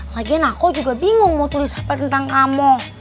lagian aku juga bingung mau tulis apa tentang kamu